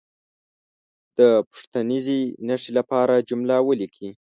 د پوښتنیزې نښې لپاره جمله ولیکي.